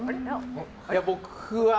僕は。